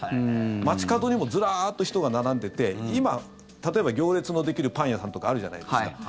街角にもずらーっと人が並んでいて今、例えば行列のできるパン屋さんとかあるじゃないですか。